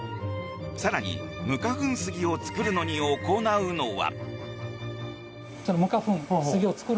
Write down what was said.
更に、無花粉スギを作るのに行うのは。